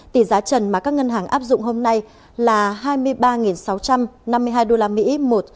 tỷ giá trần mà các ngân hàng áp dụng hôm nay là hai mươi ba sáu trăm năm mươi hai đô la mỹ